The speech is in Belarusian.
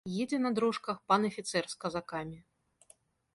Едзе на дрожках пан афіцэр з казакамі.